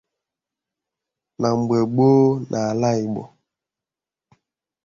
Na mgbe gboo n'ala Igbo